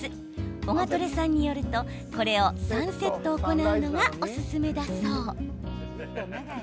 オガトレさんによるとこれを３セット行うのがおすすめだそう。